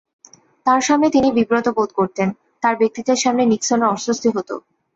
তাঁর সামনে তিনি বিব্রত বোধ করতেন, তাঁর ব্যক্তিত্বের সামনে নিক্সনের অস্বস্তি হতো।